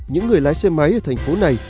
những người lái xe máy ở thành phố này